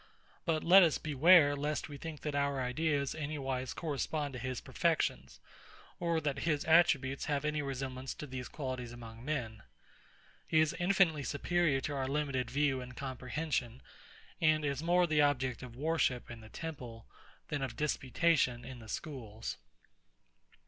But let us beware, lest we think that our ideas anywise correspond to his perfections, or that his attributes have any resemblance to these qualities among men. He is infinitely superior to our limited view and comprehension; and is more the object of worship in the temple, than of disputation in the schools.